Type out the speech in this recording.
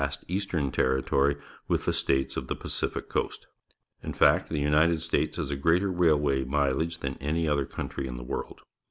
st ea.stem territorj' with the states of the Pacific coast. In fact, the United S tates has a gr eater railway mileage than any other country in the world.